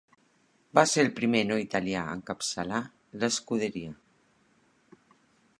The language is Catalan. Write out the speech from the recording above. Va ser el primer no italià a encapçalar l'Scuderia.